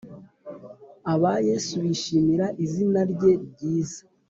abayesu bishimira izinarye ryiza